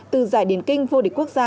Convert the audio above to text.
từ giải điển kinh vô địch quốc gia